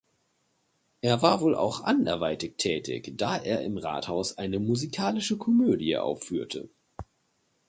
Er war wohl auch anderweitig tätig, da er im Rathaus eine musikalische Komödie aufführte.